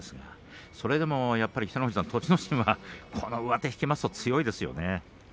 それでも北の富士さん、栃ノ心は上手を引くと強いですね。